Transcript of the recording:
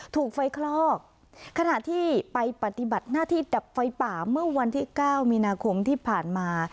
ถูกไฟคลอกขณะที่ไปปฏิบัติหน้าที่ดับไฟป่าเมื่อวันที่เก้ามีนาคมที่ผ่านมา